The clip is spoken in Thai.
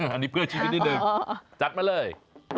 อันนี้เพื่อชีวิตนิดนึงจัดมาเลย